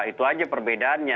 itu saja perbedaannya